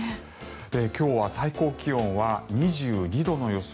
今日は最高気温は２２度の予想。